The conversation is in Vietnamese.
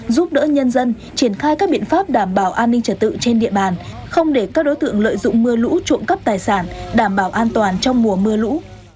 giúp đỡ nhân dân triển khai các biện pháp đảm bảo an ninh trật tự trên địa bàn không để các đối tượng lợi dụng mưa lũ trộm cắp tài sản đảm bảo an toàn trong mùa mưa lũ